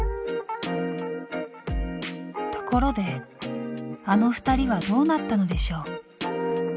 ところであの２人はどうなったのでしょう。